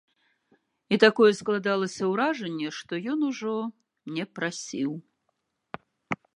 І такое складалася ўражанне, што ён ужо не прасіў.